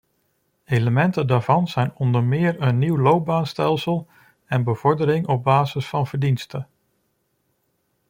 Elementen daarvan zijn onder meer een nieuw loopbaanstelsel en bevordering op basis van verdienste.